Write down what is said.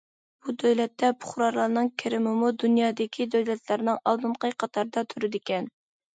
بۇ دۆلەتتە پۇقرالارنىڭ كىرىمىمۇ دۇنيادىكى دۆلەتلەرنىڭ ئالدىنقى قاتاردا تۇرىدىكەن.